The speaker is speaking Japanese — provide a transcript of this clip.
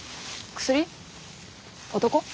薬？男？